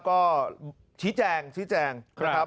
ก็ชี้แจงชี้แจงนะครับ